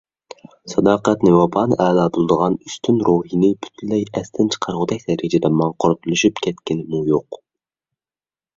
ساداقەتنى، ۋاپانى ئەلا بىلىدىغان ئۈستۈن روھىنى پۈتۈنلەي ئەستىن چىقارغۇدەك دەرىجىدە ماڭقۇرتلىشىپ كەتكىنىمۇ يوق.